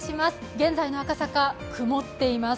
現在の赤坂、曇っています。